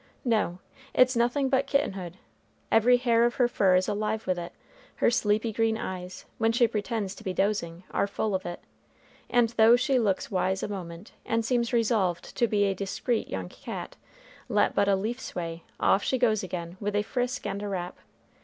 No; it's nothing but kittenhood; every hair of her fur is alive with it. Her sleepy green eyes, when she pretends to be dozing, are full of it; and though she looks wise a moment, and seems resolved to be a discreet young cat, let but a leaf sway off she goes again, with a frisk and a rap.